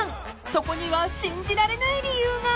［そこには信じられない理由が］